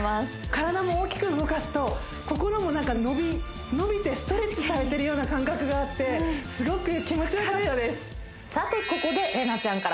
体も大きく動かすと心もなんか伸びてストレッチされてるような感覚があってすごく気持ち良かったです